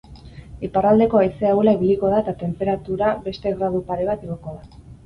Iparraldeko haize ahula ibiliko da eta tenperatura beste gradu pare bat igoko da.